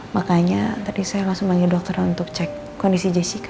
makanya tadi saya langsung panggil dokter untuk cek kondisi jessica